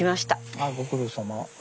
あご苦労さま。